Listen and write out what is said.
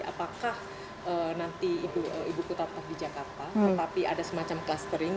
apakah nanti ibu kota tetap di jakarta tetapi ada semacam clustering